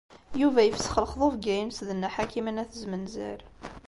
Yuba yefsex lexḍubeyya-ines d Nna Ḥakima n At Zmenzer.